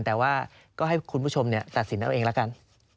แต่ว่าก็ให้คุณผู้ชมตัดสินเอาเองแล้วกัน